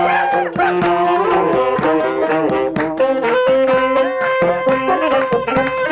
แล้วก็จุดปล้าแกน้ำในตู้ลี่นะแต่ตายเธอทำยังไง